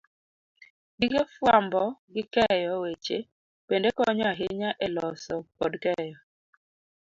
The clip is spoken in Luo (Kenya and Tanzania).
Gige fwambo gi keyo weche bende konyo ahinya e loso kod keyo